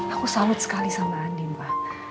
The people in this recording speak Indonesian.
aku salut sekali sama andien ma